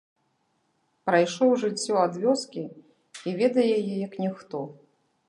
Прайшоў жыццё ад вёскі і ведае яе як ніхто.